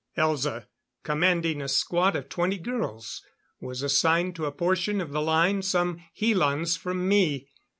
Elza, commanding a squad of twenty girls, was assigned to a portion of the line some helans from me.